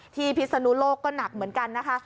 พิศนุโลกก็หนักเหมือนกันนะคะ